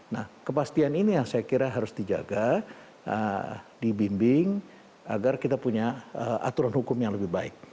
nah kepastian ini yang saya kira harus dijaga dibimbing agar kita punya aturan hukum yang lebih baik